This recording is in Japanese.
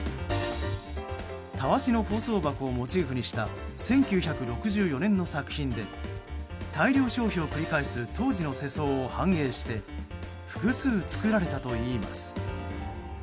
たわしの包装箱をモチーフにした１９６４年の作品で大量消費を繰り返す当時の世相を反映して複数、作られたといいます。